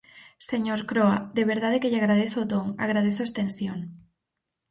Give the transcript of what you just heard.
Señor Croa, de verdade que lle agradezo o ton, agradezo a extensión.